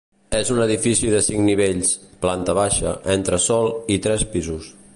És un edifici de cinc nivells: planta baixa, entresòl i tres pisos.